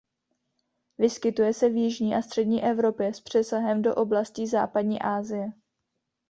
Vyskytuje se v jižní a střední Evropě s přesahem do oblastí západní Asie.